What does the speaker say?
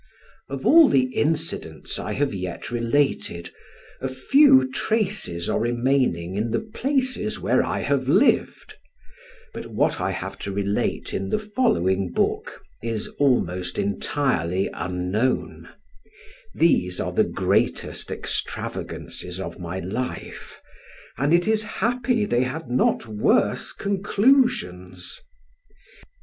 Of all the incidents I have yet related, a few traces are remaining in the places where I have lived; but what I have to relate in the following book is almost entirely unknown; these are the greatest extravagancies of my life, and it is happy they had not worse conclusions.